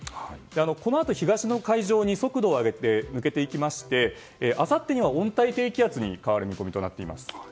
このあと、東の海上に速度を上げて抜けていきましてあさってには温帯低気圧に変わる見込みとなっています。